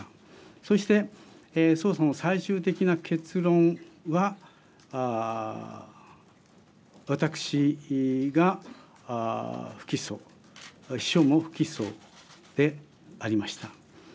そして捜査の最終的な結論は私が不起訴秘書も不起訴でありました。